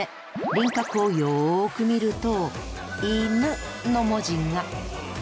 輪郭をよく見ると「い・ぬ」の文字が！